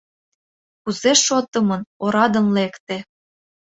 Кузе шотдымын, орадын лекте!